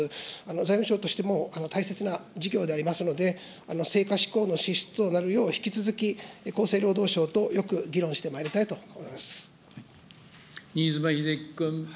財務省としても、大切な事業でありますので、成果しこうのししつとなるよう引き続き、厚生労働省とよく議論し新妻秀規君。